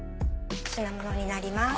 お品物になります。